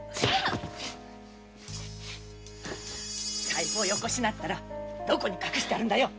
財布をよこしなどこに隠してあるんだよ